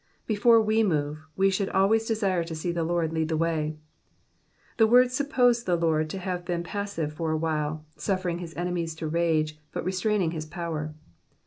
Before we move, we should always* desire to see the Lord lead the way. The words suppose the Lord to have been passive for awhile, suffering his enemies to rage, but restraining his power.